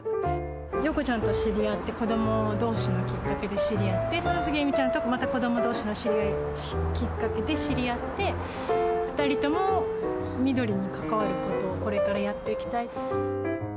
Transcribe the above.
陽子ちゃんと知り合って、子どもどうしのきっかけで知り合って、その次に恵美ちゃんと、また子どもどうしのきっかけで知り合って、２人とも緑に関わることを、これからやっていきたいっていう。